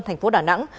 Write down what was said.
thành phố đà nẵng